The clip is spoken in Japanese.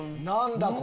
何だ？